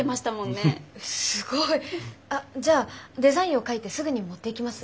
すごい！あっじゃあデザインを描いてすぐに持っていきます。